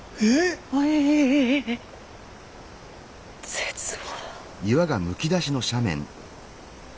絶望。